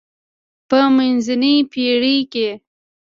دا په منځنۍ پېړۍ کې و.